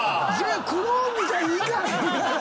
クローンみたいにいかへんやろ！